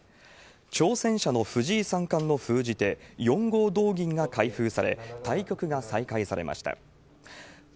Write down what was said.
挑戦者の藤井三冠の封じ手、４五同銀が開封され、対局が再開されました。